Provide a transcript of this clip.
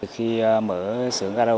khi mở sướng ra đâu